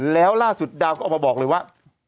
แล้วล่าสุดดาวก็ออกมาบอกเลยว่า